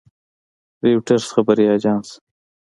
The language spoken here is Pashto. رویټرز خبري اژانس